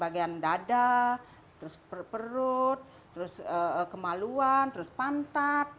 bagian dada terus perut terus kemaluan terus pantat